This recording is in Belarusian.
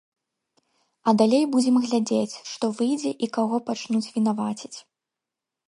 А далей будзем глядзець, што выйдзе і каго пачнуць вінаваціць.